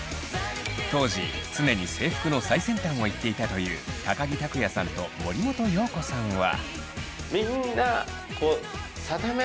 当時常に制服の最先端をいっていたという木琢也さんと森本容子さんは。